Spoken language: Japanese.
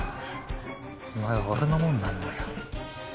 お前は俺のもんなんだよ。